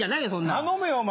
頼むよお前。